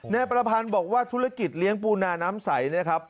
นายประพันธ์บอกว่าธุรกิจเลี้ยงปูนาน้ำใสนะครับ